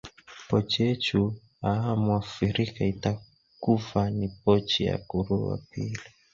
Pochi echu a amu afirika itakuva ni pochi kuruu a pili.